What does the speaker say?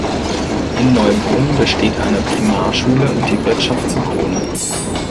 In Neubrunn besteht eine Primarschule und die Wirtschaft zur Krone.